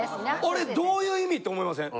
あれどういう意味！？って思いません？